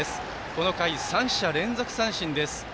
この回、３者連続三振です。